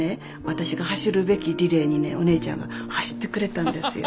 私が走るべきリレーにねお姉ちゃんが走ってくれたんですよ。